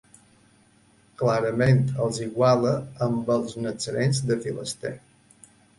Clarament els iguala amb els natzarens de Filaster.